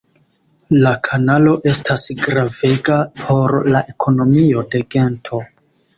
La kanalo estas gravega por la ekonomio de Gento.